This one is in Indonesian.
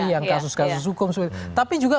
yang kasus kasus hukum tapi juga